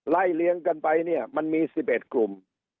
เลี้ยงกันไปเนี่ยมันมี๑๑กลุ่ม